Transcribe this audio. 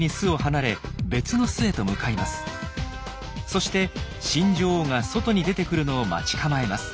そして新女王が外に出てくるのを待ち構えます。